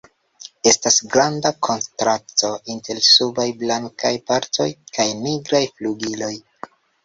Estas granda kontrasto inter subaj blankaj partoj kaj nigraj flugiloj.